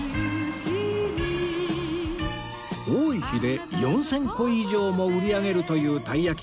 多い日で４０００個以上も売り上げるというたいやき